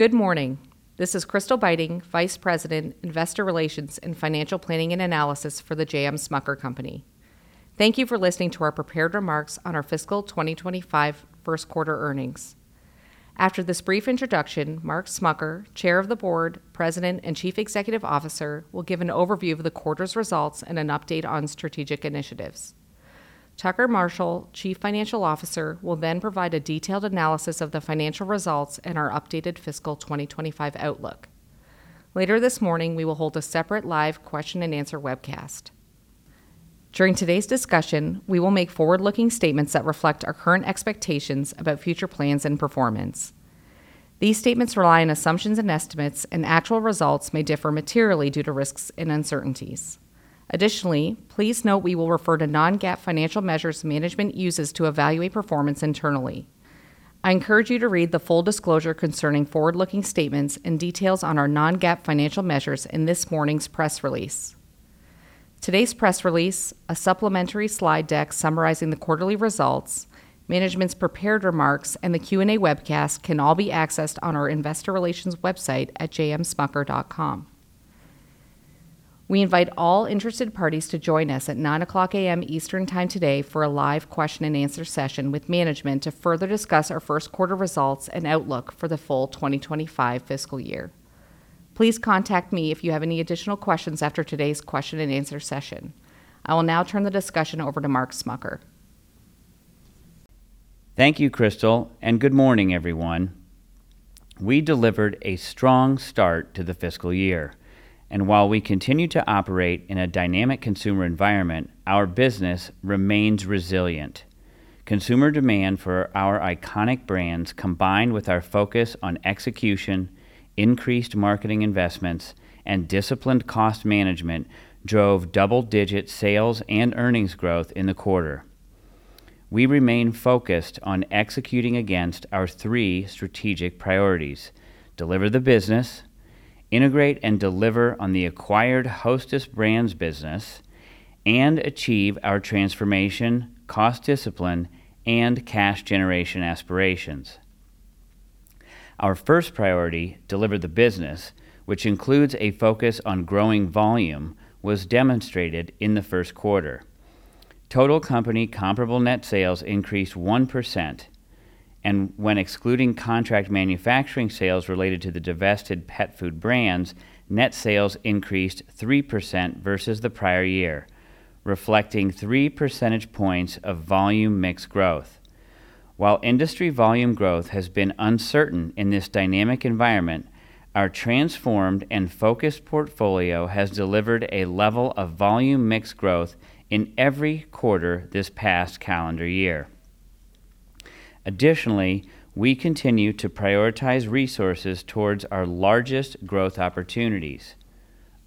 Good morning. This is Crystal Beiting, Vice President, Investor Relations and Financial Planning and Analysis for The J.M. Smucker Company. Thank you for listening to our prepared remarks on our fiscal 2025 first quarter earnings. After this brief introduction, Mark Smucker, Chair of the Board, President, and Chief Executive Officer, will give an overview of the quarter's results and an update on strategic initiatives. Tucker Marshall, Chief Financial Officer, will then provide a detailed analysis of the financial results and our updated fiscal 2025 outlook. Later this morning, we will hold a separate live question-and-answer webcast. During today's discussion, we will make forward-looking statements that reflect our current expectations about future plans and performance. These statements rely on assumptions and estimates, and actual results may differ materially due to risks and uncertainties. Additionally, please note we will refer to non-GAAP financial measures management uses to evaluate performance internally. I encourage you to read the full disclosure concerning forward-looking statements and details on our non-GAAP financial measures in this morning's press release. Today's press release, a supplementary slide deck summarizing the quarterly results, management's prepared remarks, and the Q&A webcast can all be accessed on our investor relations website at jmsmucker.com. We invite all interested parties to join us at 9:00 A.M. Eastern Time today for a live question-and-answer session with management to further discuss our first quarter results and outlook for the full 2025 fiscal year. Please contact me if you have any additional questions after today's question-and-answer session. I will now turn the discussion over to Mark Smucker. Thank you, Crystal, and good morning, everyone. We delivered a strong start to the fiscal year, and while we continue to operate in a dynamic consumer environment, our business remains resilient. Consumer demand for our iconic brands, combined with our focus on execution, increased marketing investments, and disciplined cost management, drove double-digit sales and earnings growth in the quarter. We remain focused on executing against our three strategic priorities: deliver the business, integrate and deliver on the acquired Hostess Brands business, and achieve our transformation, cost discipline, and cash generation aspirations. Our first priority, deliver the business, which includes a focus on growing volume, was demonstrated in the first quarter. Total company comparable net sales increased 1%, and when excluding contract manufacturing sales related to the divested pet food brands, net sales increased 3% versus the prior year, reflecting three percentage points of volume/mix growth. While industry volume growth has been uncertain in this dynamic environment, our transformed and focused portfolio has delivered a level of volume/mix growth in every quarter this past calendar year. Additionally, we continue to prioritize resources towards our largest growth opportunities.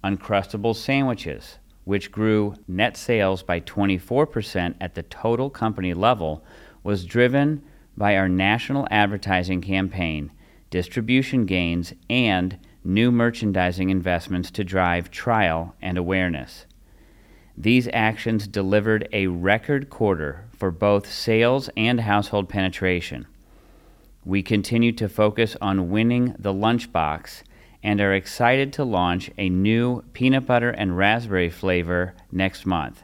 Uncrustables sandwiches, which grew net sales by 24% at the total company level, was driven by our national advertising campaign, distribution gains, and new merchandising investments to drive trial and awareness. These actions delivered a record quarter for both sales and household penetration. We continue to focus on winning the lunchbox and are excited to launch a new peanut butter and raspberry flavor next month.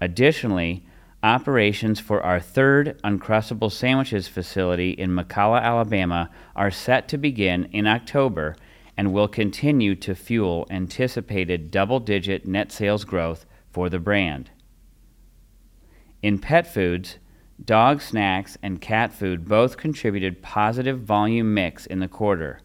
Additionally, operations for our third Uncrustables sandwiches facility in McCalla, Alabama, are set to begin in October and will continue to fuel anticipated double-digit net sales growth for the brand. In pet foods, dog snacks and cat food both contributed positive volume/mix in the quarter.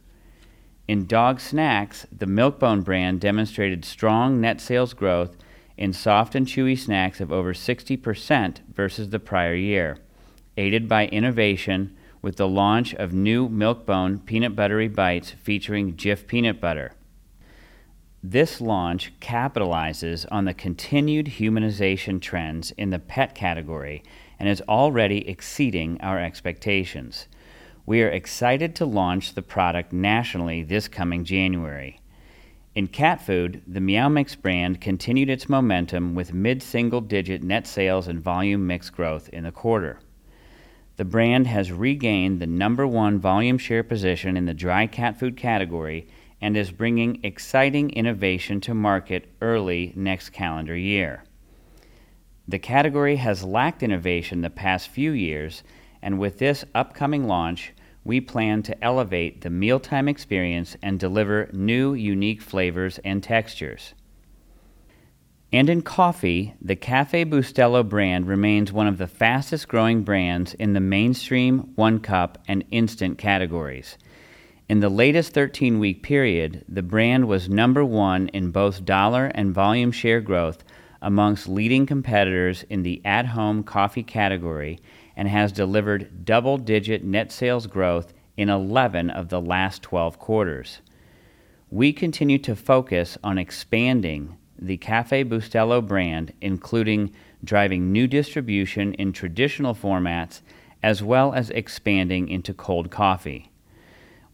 In dog snacks, the Milk-Bone brand demonstrated strong net sales growth in soft and chewy snacks of over 60% versus the prior year, aided by innovation with the launch of new Milk-Bone Peanut Buttery Bites featuring Jif peanut butter. This launch capitalizes on the continued humanization trends in the pet category and is already exceeding our expectations. We are excited to launch the product nationally this coming January. In cat food, the Meow Mix brand continued its momentum with mid-single-digit net sales and volume/mix growth in the quarter. The brand has regained the number one volume share position in the dry cat food category and is bringing exciting innovation to market early next calendar year. The category has lacked innovation the past few years, and with this upcoming launch, we plan to elevate the mealtime experience and deliver new, unique flavors and textures. In coffee, the Café Bustelo brand remains one of the fastest-growing brands in the mainstream, one-cup, and instant categories. In the latest 13-week period, the brand was number one in both dollar and volume share growth amongst leading competitors in the at-home coffee category and has delivered double-digit net sales growth in 11 of the last 12 quarters. We continue to focus on expanding the Café Bustelo brand, including driving new distribution in traditional formats, as well as expanding into cold coffee.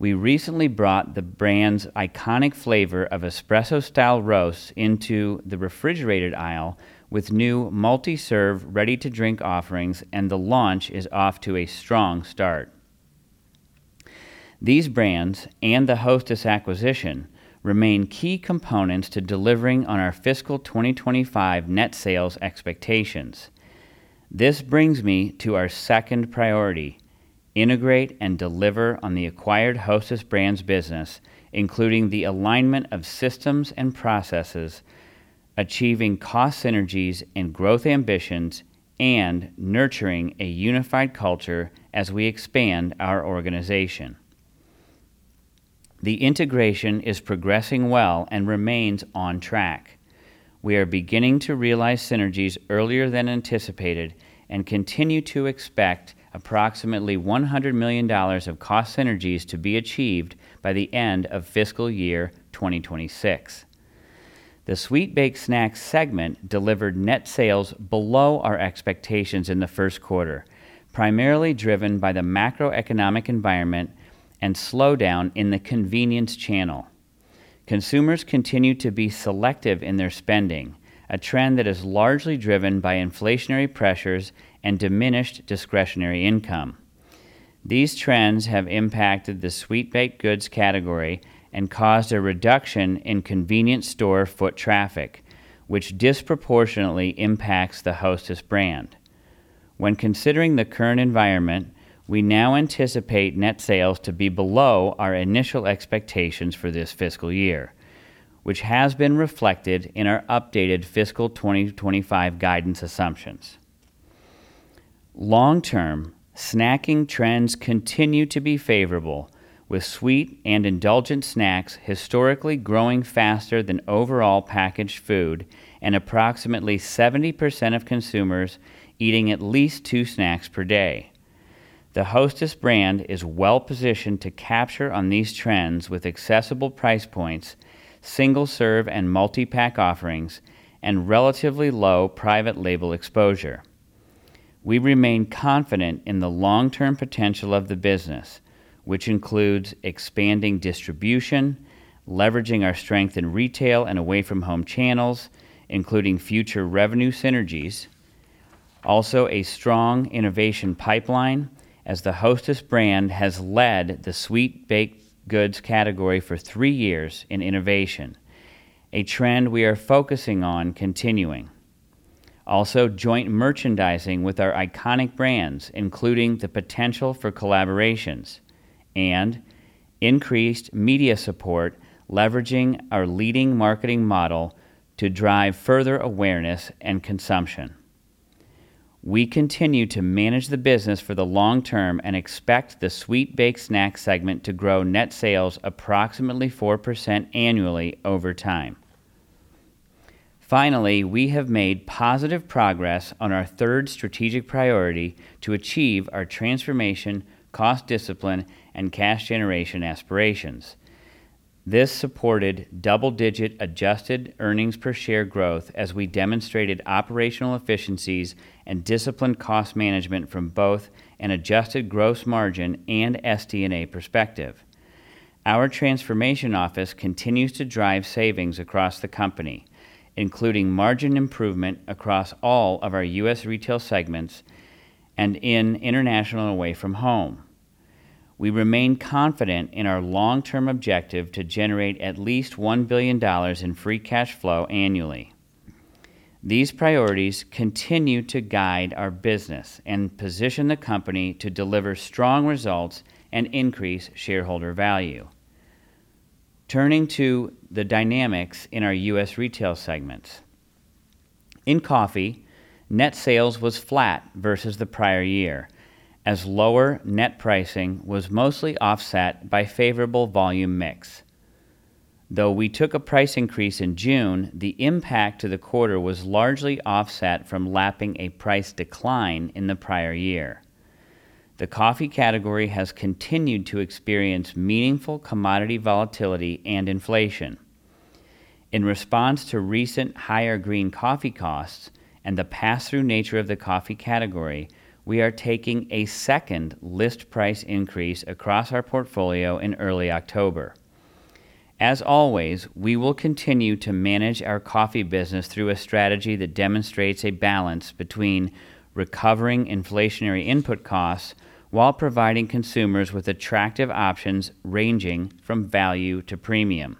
We recently brought the brand's iconic flavor of espresso-style roasts into the refrigerated aisle with new multi-serve, ready-to-drink offerings, and the launch is off to a strong start. These brands and the Hostess acquisition remain key components to delivering on our fiscal 2025 net sales expectations. This brings me to our second priority: integrate and deliver on the acquired Hostess Brands business, including the alignment of systems and processes, achieving cost synergies and growth ambitions, and nurturing a unified culture as we expand our organization. The integration is progressing well and remains on track. We are beginning to realize synergies earlier than anticipated and continue to expect approximately $100 million of cost synergies to be achieved by the end of fiscal year 2026. The Sweet Baked Snacks segment delivered net sales below our expectations in the first quarter, primarily driven by the macroeconomic environment and slowdown in the convenience channel. Consumers continue to be selective in their spending, a trend that is largely driven by inflationary pressures and diminished discretionary income. These trends have impacted the sweet baked goods category and caused a reduction in convenience store foot traffic, which disproportionately impacts the Hostess brand. When considering the current environment, we now anticipate net sales to be below our initial expectations for this fiscal year, which has been reflected in our updated fiscal 2025 guidance assumptions. Long term, snacking trends continue to be favorable, with sweet and indulgent snacks historically growing faster than overall packaged food and approximately 70% of consumers eating at least two snacks per day. The Hostess brand is well-positioned to capture on these trends with accessible price points, single-serve and multi-pack offerings, and relatively low private label exposure. We remain confident in the long-term potential of the business, which includes expanding distribution, leveraging our strength in Retail and Away From Home channels, including future revenue synergies. Also, a strong innovation pipeline as the Hostess brand has led the sweet baked goods category for three years in innovation, a trend we are focusing on continuing. Also, joint merchandising with our iconic brands, including the potential for collaborations and increased media support, leveraging our leading marketing model to drive further awareness and consumption. We continue to manage the business for the long term and expect the Sweet Baked Snacks segment to grow net sales approximately 4% annually over time. Finally, we have made positive progress on our third strategic priority to achieve our transformation, cost discipline, and cash generation aspirations. This supported double-digit adjusted earnings per share growth as we demonstrated operational efficiencies and disciplined cost management from both an adjusted gross margin and SD&A perspective. Our Transformation Office continues to drive savings across the company, including margin improvement across all of our U.S. retail segments and in International and Away From Home. We remain confident in our long-term objective to generate at least $1 billion in free cash flow annually. These priorities continue to guide our business and position the company to deliver strong results and increase shareholder value. Turning to the dynamics in our U.S. retail segments. In coffee, net sales was flat versus the prior year, as lower net pricing was mostly offset by favorable volume/mix. Though we took a price increase in June, the impact to the quarter was largely offset from lapping a price decline in the prior year. The coffee category has continued to experience meaningful commodity volatility and inflation. In response to recent higher green coffee costs and the pass-through nature of the coffee category, we are taking a second list price increase across our portfolio in early October. As always, we will continue to manage our coffee business through a strategy that demonstrates a balance between recovering inflationary input costs while providing consumers with attractive options ranging from value to premium.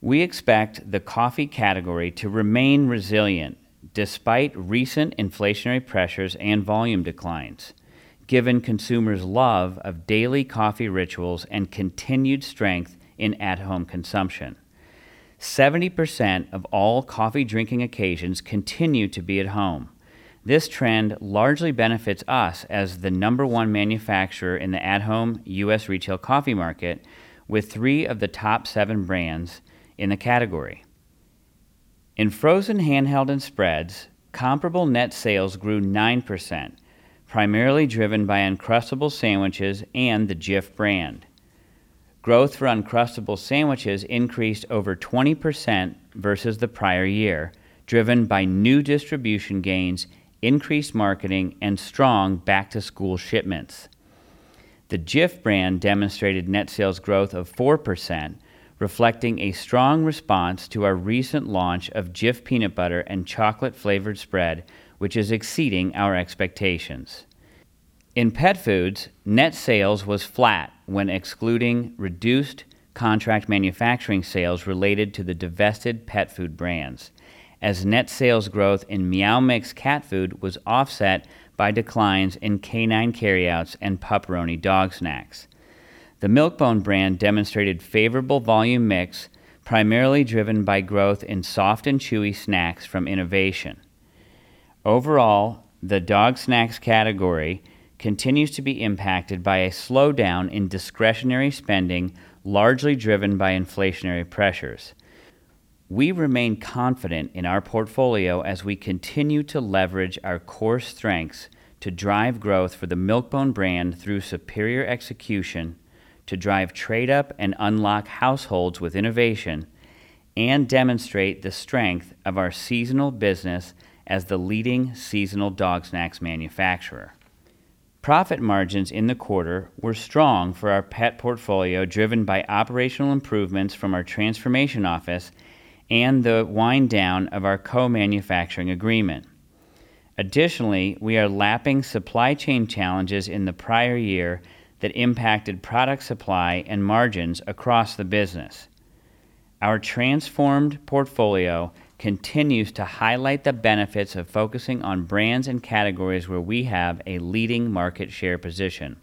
We expect the coffee category to remain resilient despite recent inflationary pressures and volume declines, given consumers' love of daily coffee rituals and continued strength in at-home consumption. 70% of all coffee drinking occasions continue to be at home. This trend largely benefits us as the number one manufacturer in the at-home U.S. Retail Coffee market, with three of the top seven brands in the category. In Frozen Handheld and Spreads, comparable net sales grew 9%, primarily driven by Uncrustables sandwiches and the Jif brand. Growth for Uncrustables sandwiches increased over 20% versus the prior year, driven by new distribution gains, increased marketing, and strong back-to-school shipments. The Jif brand demonstrated net sales growth of 4%, reflecting a strong response to our recent launch of Jif Peanut Butter & Chocolate Flavored Spread, which is exceeding our expectations. In pet foods, net sales was flat when excluding reduced contract manufacturing sales related to the divested pet food brands, as net sales growth in Meow Mix cat food was offset by declines in Canine Carry Outs and Pup-Peroni dog snacks. The Milk-Bone brand demonstrated favorable volume/mix, primarily driven by growth in soft and chewy snacks from innovation. Overall, the dog snacks category continues to be impacted by a slowdown in discretionary spending, largely driven by inflationary pressures. We remain confident in our portfolio as we continue to leverage our core strengths to drive growth for the Milk-Bone brand through superior execution, to drive trade up and unlock households with innovation, and demonstrate the strength of our seasonal business as the leading seasonal dog snacks manufacturer. Profit margins in the quarter were strong for our pet portfolio, driven by operational improvements from our transformation office and the wind down of our co-manufacturing agreement. Additionally, we are lapping supply chain challenges in the prior year that impacted product supply and margins across the business. Our transformed portfolio continues to highlight the benefits of focusing on brands and categories where we have a leading market share position.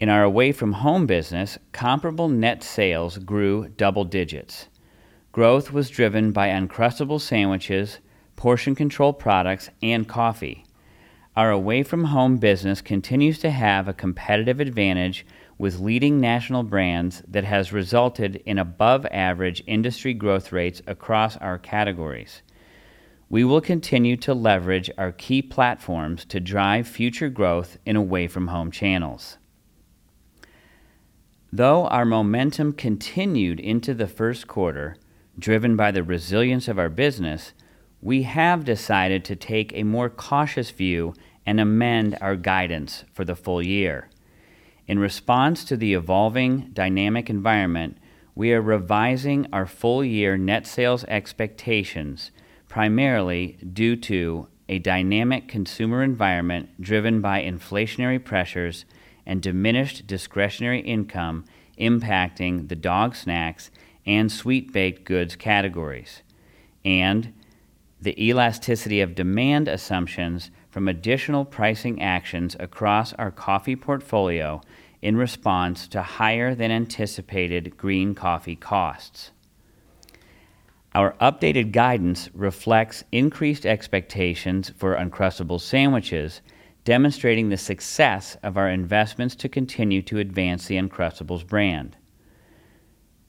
In our Away From Home business, comparable net sales grew double digits. Growth was driven by Uncrustables sandwiches, portion control products, and coffee. Our Away From Home business continues to have a competitive advantage with leading national brands that has resulted in above average industry growth rates across our categories. We will continue to leverage our key platforms to drive future growth in Away From Home channels. Though our momentum continued into the first quarter, driven by the resilience of our business, we have decided to take a more cautious view and amend our guidance for the full year. In response to the evolving dynamic environment, we are revising our full year net sales expectations, primarily due to a dynamic consumer environment driven by inflationary pressures and diminished discretionary income impacting the dog snacks and sweet baked goods categories, and the elasticity of demand assumptions from additional pricing actions across our coffee portfolio in response to higher than anticipated green coffee costs. Our updated guidance reflects increased expectations for Uncrustables sandwiches, demonstrating the success of our investments to continue to advance the Uncrustables brand.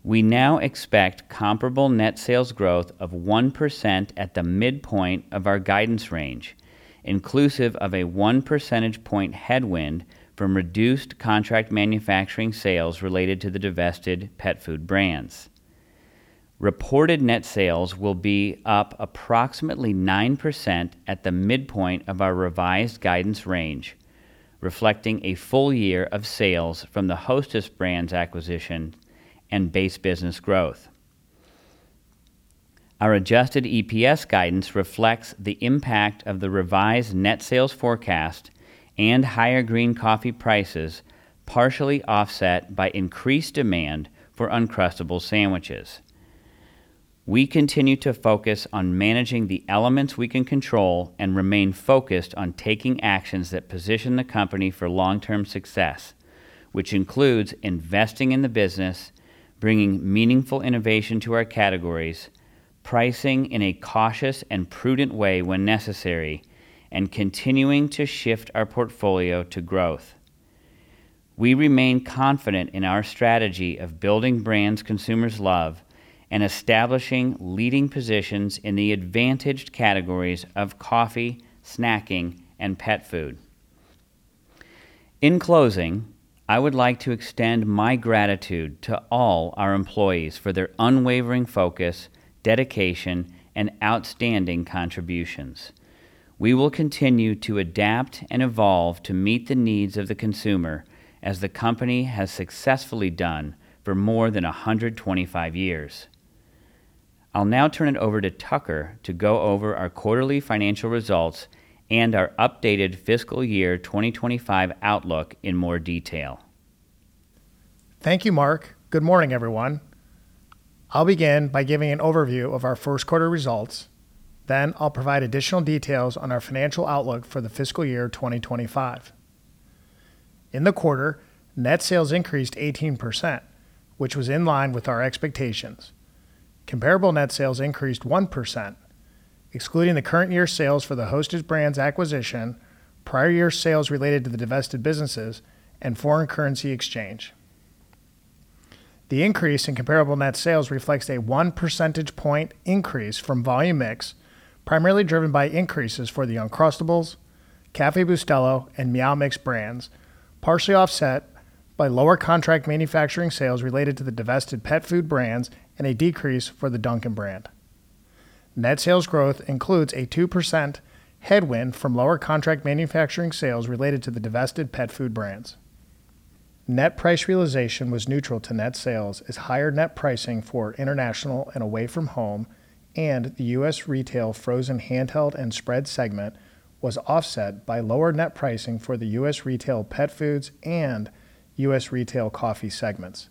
We now expect comparable net sales growth of 1% at the midpoint of our guidance range, inclusive of a one percentage point headwind from reduced contract manufacturing sales related to the divested pet food brands. Reported net sales will be up approximately 9% at the midpoint of our revised guidance range, reflecting a full year of sales from the Hostess Brands acquisition and base business growth. Our adjusted EPS guidance reflects the impact of the revised net sales forecast and higher green coffee prices, partially offset by increased demand for Uncrustables sandwiches. We continue to focus on managing the elements we can control and remain focused on taking actions that position the company for long-term success, which includes investing in the business, bringing meaningful innovation to our categories, pricing in a cautious and prudent way when necessary, and continuing to shift our portfolio to growth. We remain confident in our strategy of building brands consumers love and establishing leading positions in the advantaged categories of coffee, snacking, and pet food. In closing, I would like to extend my gratitude to all our employees for their unwavering focus, dedication, and outstanding contributions. We will continue to adapt and evolve to meet the needs of the consumer, as the company has successfully done for more than 125 years. I'll now turn it over to Tucker to go over our quarterly financial results and our updated fiscal year 2025 outlook in more detail. Thank you, Mark. Good morning, everyone. I'll begin by giving an overview of our first quarter results, then I'll provide additional details on our financial outlook for the fiscal year 2025. In the quarter, net sales increased 18%, which was in line with our expectations. Comparable net sales increased 1%, excluding the current year sales for the Hostess Brands acquisition, prior year sales related to the divested businesses, and foreign currency exchange. The increase in comparable net sales reflects a one percentage point increase from volume/mix, primarily driven by increases for the Uncrustables, Café Bustelo, and Meow Mix brands, partially offset by lower contract manufacturing sales related to the divested pet food brands and a decrease for the Dunkin' brand. Net sales growth includes a 2% headwind from lower contract manufacturing sales related to the divested pet food brands. Net price realization was neutral to net sales as higher net pricing for International and Away From Home and the U.S. Retail Frozen Handheld and Spreads segment was offset by lower net pricing for the U.S. Retail Pet Foods and U.S. Retail Coffee segments.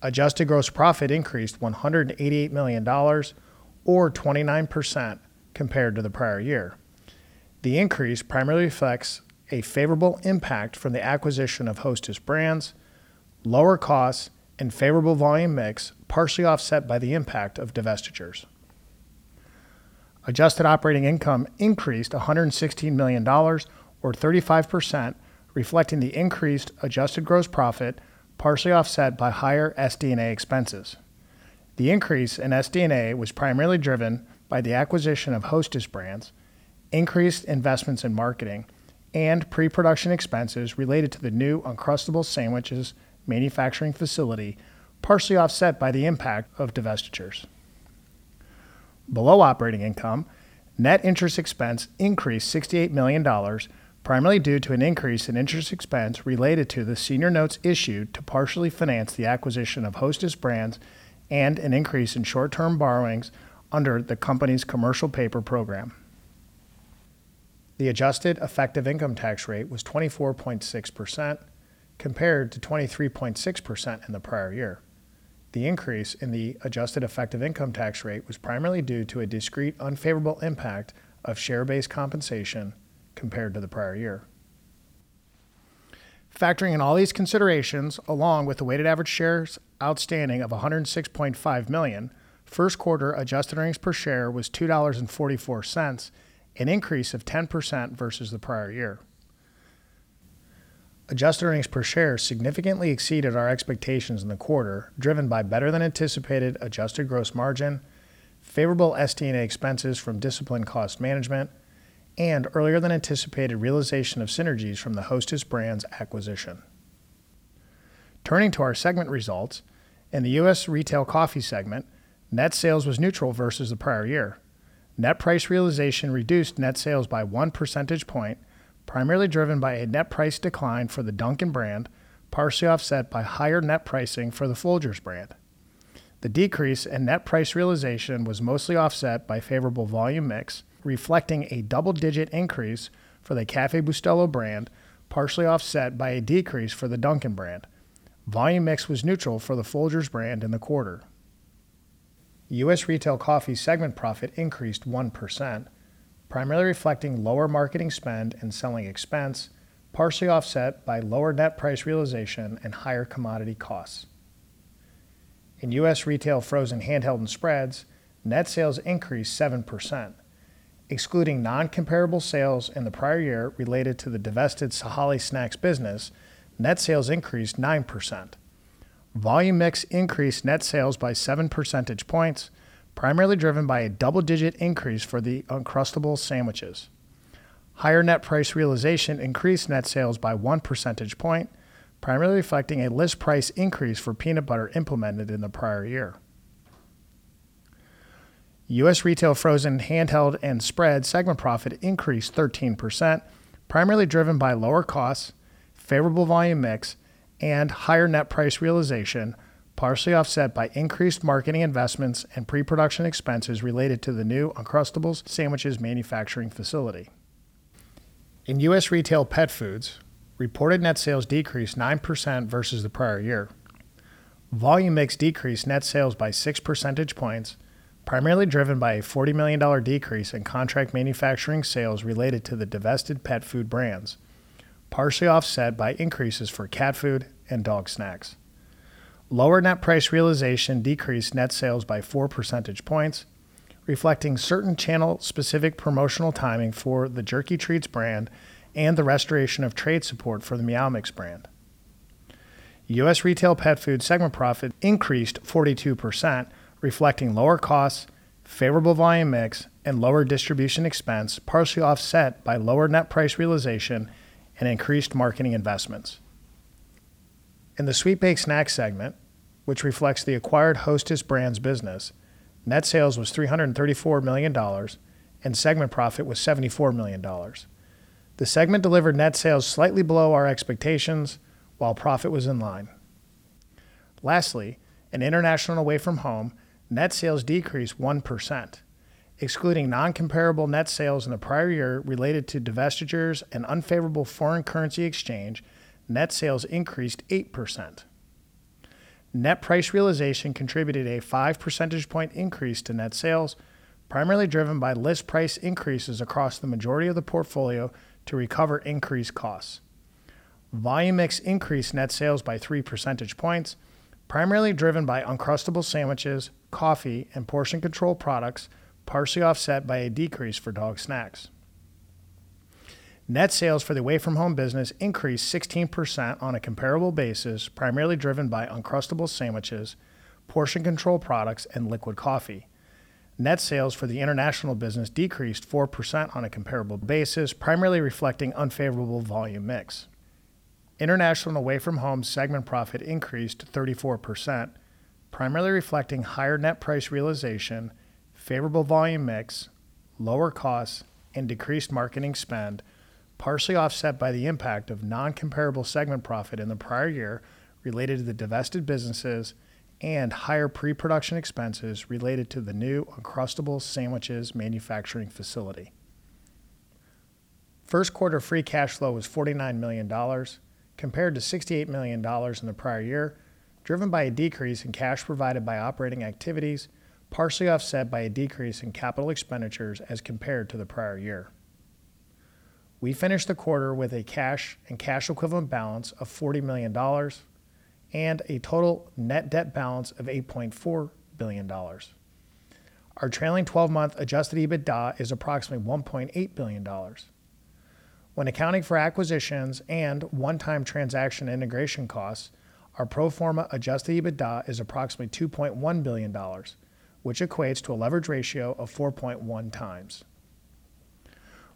Adjusted gross profit increased $188 million or 29% compared to the prior year. The increase primarily reflects a favorable impact from the acquisition of Hostess Brands, lower costs, and favorable volume/mix, partially offset by the impact of divestitures. Adjusted operating income increased $116 million or 35%, reflecting the increased adjusted gross profit, partially offset by higher SD&A expenses. The increase in SD&A was primarily driven by the acquisition of Hostess Brands, increased investments in marketing, and pre-production expenses related to the new Uncrustables sandwiches manufacturing facility, partially offset by the impact of divestitures. Below operating income, net interest expense increased $68 million, primarily due to an increase in interest expense related to the senior notes issued to partially finance the acquisition of Hostess Brands and an increase in short-term borrowings under the company's commercial paper program. The adjusted effective income tax rate was 24.6%, compared to 23.6% in the prior year. The increase in the adjusted effective income tax rate was primarily due to a discrete, unfavorable impact of share-based compensation compared to the prior year. Factoring in all these considerations, along with the weighted average shares outstanding of 106.5 million, first quarter adjusted earnings per share was $2.44, an increase of 10% versus the prior year. Adjusted earnings per share significantly exceeded our expectations in the quarter, driven by better than anticipated adjusted gross margin, favorable SD&A expenses from disciplined cost management, and earlier than anticipated realization of synergies from the Hostess Brands acquisition. Turning to our segment results, in the U.S. Retail Coffee segment, net sales was neutral versus the prior year. Net price realization reduced net sales by one percentage point, primarily driven by a net price decline for the Dunkin' brand, partially offset by higher net pricing for the Folgers brand. The decrease in net price realization was mostly offset by favorable volume/mix, reflecting a double-digit increase for the Café Bustelo brand, partially offset by a decrease for the Dunkin' brand. Volume/mix was neutral for the Folgers brand in the quarter. U.S. Retail Coffee segment profit increased 1%, primarily reflecting lower marketing spend and selling expense, partially offset by lower net price realization and higher commodity costs. In U.S. Retail Frozen Handheld and Spreads, net sales increased 7%. Excluding non-comparable sales in the prior year related to the divested Sahale Snacks business, net sales increased 9%. Volume/mix increased net sales by seven percentage points, primarily driven by a double-digit increase for the Uncrustables sandwiches. Higher net price realization increased net sales by one percentage point, primarily reflecting a list price increase for peanut butter implemented in the prior year. U.S. Retail Frozen Handheld and Spreads segment profit increased 13%, primarily driven by lower costs, favorable volume mix, and higher net price realization, partially offset by increased marketing investments and pre-production expenses related to the new Uncrustables sandwiches manufacturing facility. In U.S. Retail Pet Foods, reported net sales decreased 9% versus the prior year. Volume/mix decreased net sales by six percentage points, primarily driven by a $40 million decrease in contract manufacturing sales related to the divested pet food brands, partially offset by increases for cat food and dog snacks. Lower net price realization decreased net sales by four percentage points, reflecting certain channel-specific promotional timing for the Jerky Treats brand and the restoration of trade support for the Meow Mix brand. U.S. Retail Pet Food segment profit increased 42%, reflecting lower costs, favorable volume mix, and lower distribution expense, partially offset by lower net price realization and increased marketing investments. In the Sweet Baked Snacks segment, which reflects the acquired Hostess Brands business, net sales was $334 million, and segment profit was $74 million. The segment delivered net sales slightly below our expectations, while profit was in line. Lastly, in International and Away From Home, net sales decreased 1%. Excluding non-comparable net sales in the prior year related to divestitures and unfavorable foreign currency exchange, net sales increased 8%. Net price realization contributed a five percentage point increase to net sales, primarily driven by list price increases across the majority of the portfolio to recover increased costs. Volume/mix increased net sales by three percentage points, primarily driven by Uncrustables sandwiches, coffee, and portion control products, partially offset by a decrease for dog snacks. Net sales for the Away From Home business increased 16% on a comparable basis, primarily driven by Uncrustables sandwiches, portion control products, and liquid coffee. Net sales for the International business decreased 4% on a comparable basis, primarily reflecting unfavorable volume mix. International and Away From Home segment profit increased 34%, primarily reflecting higher net price realization, favorable volume/mix, lower costs, and decreased marketing spend, partially offset by the impact of non-comparable segment profit in the prior year related to the divested businesses and higher pre-production expenses related to the new Uncrustables sandwiches manufacturing facility. First quarter free cash flow was $49 million, compared to $68 million in the prior year, driven by a decrease in cash provided by operating activities, partially offset by a decrease in capital expenditures as compared to the prior year. We finished the quarter with a cash and cash equivalent balance of $40 million and a total net debt balance of $8.4 billion. Our trailing twelve-month adjusted EBITDA is approximately $1.8 billion. When accounting for acquisitions and one-time transaction integration costs, our pro forma adjusted EBITDA is approximately $2.1 billion, which equates to a leverage ratio of 4.1x.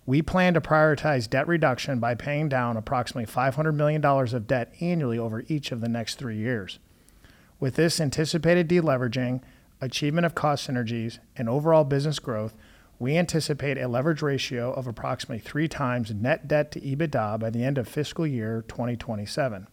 We plan to prioritize debt reduction by paying down approximately $500 million of debt annually over each of the next three years. With this anticipated deleveraging, achievement of cost synergies, and overall business growth, we anticipate a leverage ratio of approximately 3x net debt to EBITDA by the end of fiscal year 2027.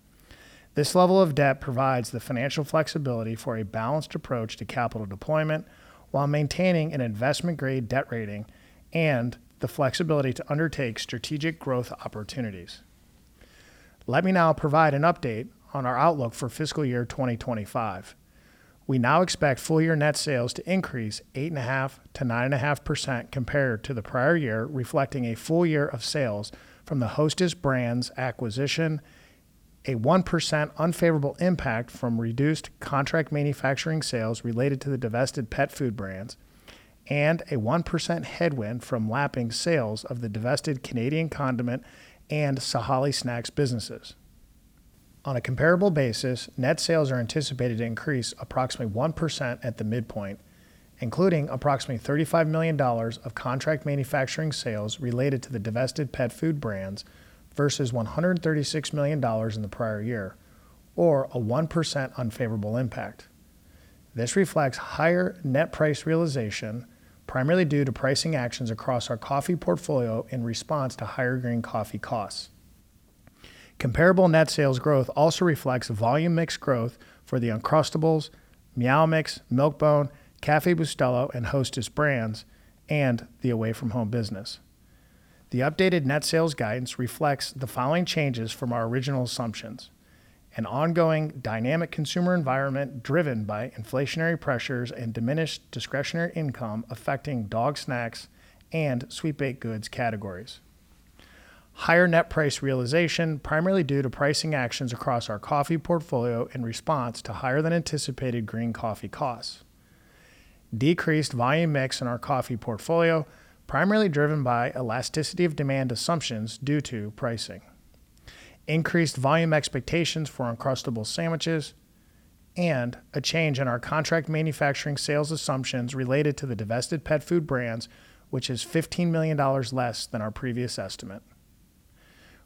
This level of debt provides the financial flexibility for a balanced approach to capital deployment while maintaining an investment-grade debt rating and the flexibility to undertake strategic growth opportunities. Let me now provide an update on our outlook for fiscal year 2025. We now expect full year net sales to increase 8.5%-9.5% compared to the prior year, reflecting a full year of sales from the Hostess Brands acquisition, a 1% unfavorable impact from reduced contract manufacturing sales related to the divested pet food brands, and a 1% headwind from lapping sales of the divested Canadian condiment and Sahale Snacks businesses. On a comparable basis, net sales are anticipated to increase approximately 1% at the midpoint, including approximately $35 million of contract manufacturing sales related to the divested pet food brands versus $136 million in the prior year, or a 1% unfavorable impact. This reflects higher net price realization, primarily due to pricing actions across our coffee portfolio in response to higher green coffee costs. Comparable net sales growth also reflects volume mix growth for the Uncrustables, Meow Mix, Milk-Bone, Café Bustelo, and Hostess brands, and the Away From Home business. The updated net sales guidance reflects the following changes from our original assumptions: an ongoing dynamic consumer environment driven by inflationary pressures and diminished discretionary income affecting dog snacks and sweet baked goods categories. Higher net price realization, primarily due to pricing actions across our coffee portfolio in response to higher than anticipated green coffee costs. Decreased volume/mix in our coffee portfolio, primarily driven by elasticity of demand assumptions due to pricing. Increased volume expectations for Uncrustables sandwiches, and a change in our contract manufacturing sales assumptions related to the divested pet food brands, which is $15 million less than our previous estimate.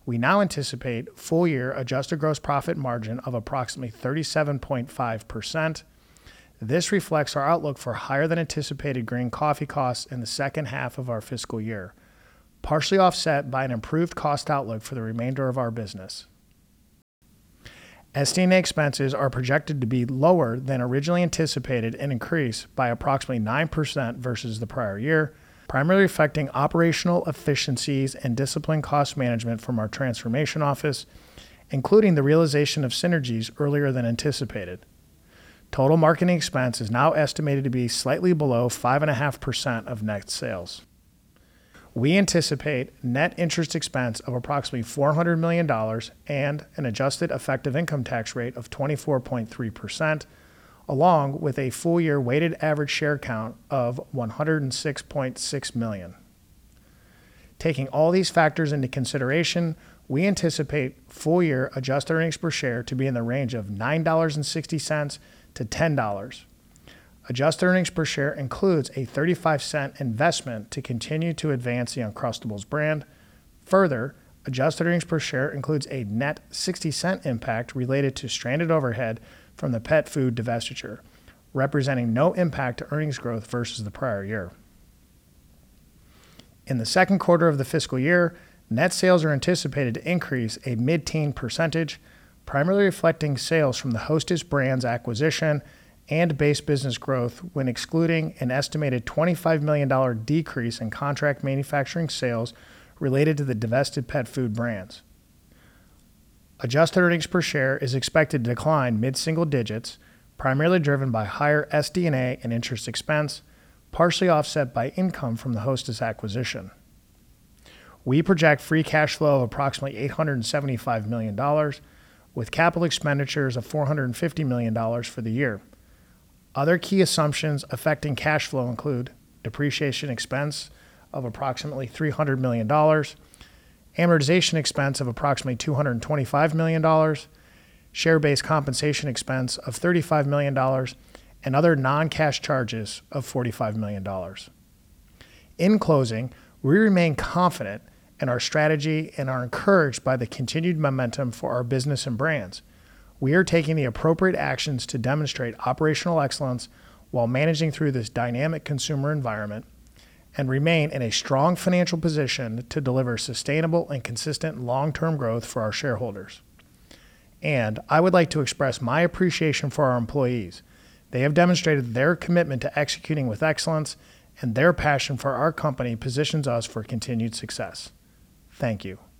We now anticipate full year adjusted gross profit margin of approximately 37.5%. This reflects our outlook for higher than anticipated green coffee costs in the second half of our fiscal year, partially offset by an improved cost outlook for the remainder of our business. SD&A expenses are projected to be lower than originally anticipated and increase by approximately 9% versus the prior year, primarily affecting operational efficiencies and disciplined cost management from our transformation office, including the realization of synergies earlier than anticipated. Total marketing expense is now estimated to be slightly below 5.5% of net sales. We anticipate net interest expense of approximately $400 million and an adjusted effective income tax rate of 24.3%, along with a full year weighted average share count of 106.6 million. Taking all these factors into consideration, we anticipate full year adjusted earnings per share to be in the range of $9.60-$10. Adjusted earnings per share includes a $0.35 investment to continue to advance the Uncrustables brand. Further, adjusted earnings per share includes a net $0.60 impact related to stranded overhead from the pet food divestiture, representing no impact to earnings growth versus the prior year. In the second quarter of the fiscal year, net sales are anticipated to increase a mid-teen percentage, primarily reflecting sales from the Hostess Brands acquisition and base business growth, when excluding an estimated $25 million decrease in contract manufacturing sales related to the divested pet food brands. Adjusted earnings per share is expected to decline mid-single-digits, primarily driven by higher SD&A and interest expense, partially offset by income from the Hostess acquisition. We project free cash flow of approximately $875 million, with capital expenditures of $450 million for the year. Other key assumptions affecting cash flow include depreciation expense of approximately $300 million, amortization expense of approximately $225 million, share-based compensation expense of $35 million, and other non-cash charges of $45 million. In closing, we remain confident in our strategy and are encouraged by the continued momentum for our business and brands. We are taking the appropriate actions to demonstrate operational excellence while managing through this dynamic consumer environment, and remain in a strong financial position to deliver sustainable and consistent long-term growth for our shareholders. And I would like to express my appreciation for our employees. They have demonstrated their commitment to executing with excellence, and their passion for our company positions us for continued success. Thank you.